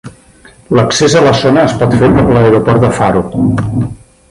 L'accés a la zona es pot fer per l'aeroport de Faro.